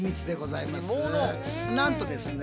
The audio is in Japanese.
なんとですね